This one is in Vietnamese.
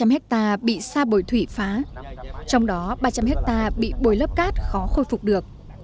một ba trăm linh hectare bị sa bồi thủy phá trong đó ba trăm linh hectare bị bồi lớp cát khó khôi phục được